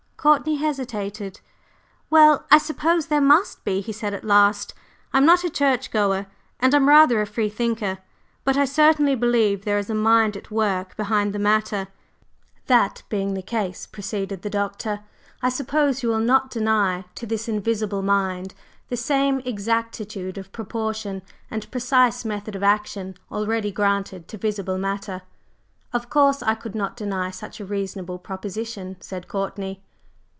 Courtney hesitated. "Well, I suppose there must be," he said at last. "I'm not a church goer, and I'm rather a free thinker, but I certainly believe there is a Mind at work behind the Matter." "That being the case," proceeded the Doctor, "I suppose you will not deny to this Invisible Mind the same exactitude of proportion and precise method of action already granted to Visible Matter?" "Of course, I could not deny such a reasonable proposition," said Courtney.